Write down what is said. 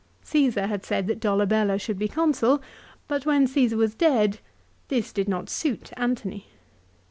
Cassar had said that Dolabella should be Consul, but when Caesar was dead this did not suit Antony.